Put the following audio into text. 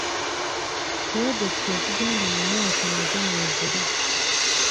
Pulojekiti ezigenda mu maaso nazo mweziri.